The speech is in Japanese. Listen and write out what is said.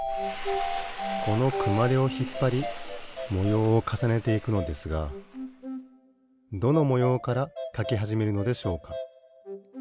このくまでをひっぱりもようをかさねていくのですがどのもようからかきはじめるのでしょうか？